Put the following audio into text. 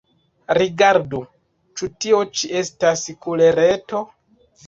Rigardu: ĉu tio ĉi estas kulereto?